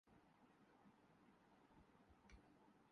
شرح فراق مدح لب مشکبو کریں